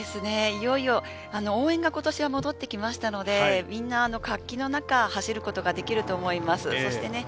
いよいよ応援が今年は戻ってきましたので、みんな活気の中走ることができると思います。